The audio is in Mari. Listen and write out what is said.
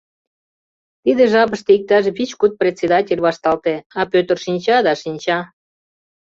Тиде жапыште иктаж вич-куд председатель вашталте, а Пӧтыр шинча да шинча.